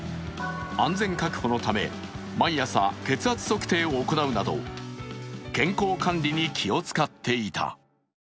安全確保のため、毎朝、血圧測定を行うなど健康管理に気を使っていた。